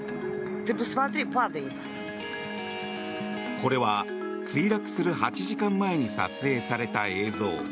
これは墜落する８時間前に撮影された映像。